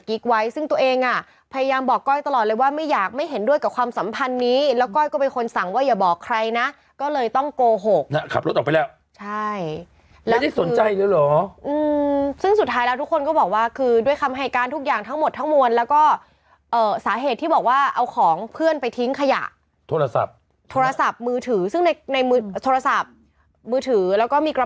กิ๊กไว้ซึ่งตัวเองอ่ะพยายามบอกก้อยตลอดเลยว่าไม่อยากไม่เห็นด้วยกับความสัมพันธ์นี้แล้วก็ก็ไปคนสั่งว่าอย่าบอกใครนะก็เลยต้องโกหกขับรถออกไปแล้วใช่แล้วได้สนใจแล้วเหรออืมซึ่งสุดท้ายแล้วทุกคนก็บอกว่าคือด้วยคำให้การทุกอย่างทั้งหมดทั้งมวลแล้วก็เอ่อสาเหตุที่บอกว่าเอาของเพื่อนไปทิ้งขยะโทร